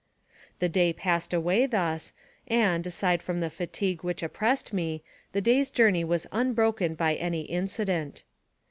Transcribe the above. The day passed away thus, and, aside from the fatigue which oppressed me, the day's journey was unbroken by any incident.